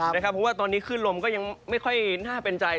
เพราะว่าตอนนี้ขึ้นลมก็ยังไม่ค่อยน่าเป็นใจ